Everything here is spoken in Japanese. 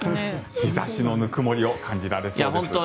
日差しのぬくもりを感じられそうです。